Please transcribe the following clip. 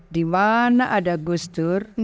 di mana ada gustur